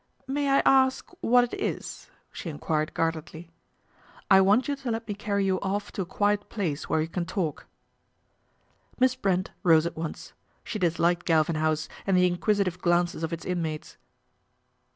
" May I ask what it is ?" she enquired guardedly. I want you to let me carry you off to a quiet lace where we can talk." Miss Brent rose at once. She disliked Galvin ouse and the inquisitive glances of its inmates.